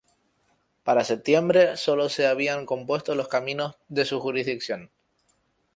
Para septiembre, solo se habían compuesto los caminos de su jurisdicción.